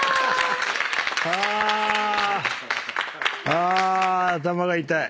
あ頭が痛い。